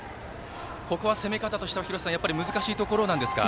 ここは攻め方としては難しいところなんですか。